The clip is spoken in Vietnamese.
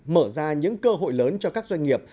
mở ra những cơ hội lớn cho các doanh nghiệp